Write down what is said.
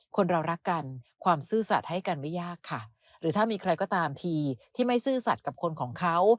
คนเรารักกันความซื่อสัตว์ให้กันไม่ยากค่ะหรือถ้ามีใครก็ตามทีที่ไม่ซื่อสัตว์กับคนของเขา